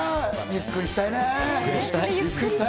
ゆっくりしたい。